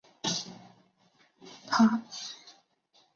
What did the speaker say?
他同时掌握有德语及俄语两门语言。